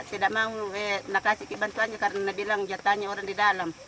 tidak mau tidak kasih bantuannya karena bilang jatahnya orang di dalam